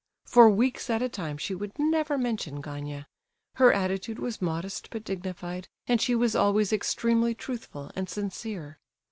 For weeks at a time she would never mention Gania. Her attitude was modest but dignified, and she was always extremely truthful and sincere.